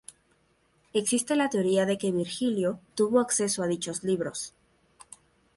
Existe la teoría de que Virgilio tuvo acceso a dichos libros.